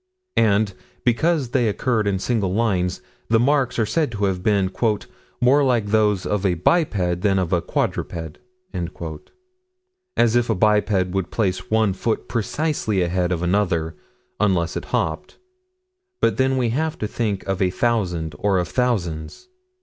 And, because they occurred in single lines, the marks are said to have been "more like those of a biped than of a quadruped" as if a biped would place one foot precisely ahead of another unless it hopped but then we have to think of a thousand, or of thousands.